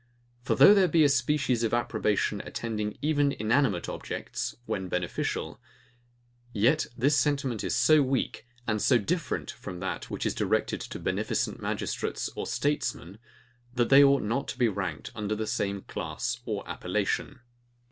For though there be a species of approbation attending even inanimate objects, when beneficial, yet this sentiment is so weak, and so different from that which is directed to beneficent magistrates or statesman; that they ought not to be ranked under the same class or appellation.